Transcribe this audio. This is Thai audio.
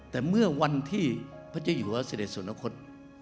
แต่เมื่อวันที่พระเจ้าหิวะเสด็จสุนคล